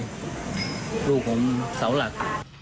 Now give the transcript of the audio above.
ลูกผมเสาหลัก